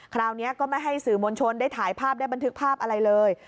คราวนี้ก็ไม่ให้สื่อมวลชนได้ถ่ายภาพได้บันทึกภาพอะไรเลย